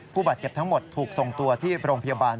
ผู้บาดเจ็บทั้งหมดถูกส่งตัวที่โรงพยาบาล